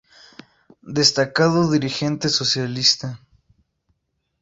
Destacado dirigente socialista.